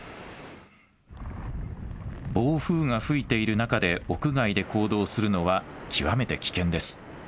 暴風が吹いている中で屋外で行動するのは極めて危険です。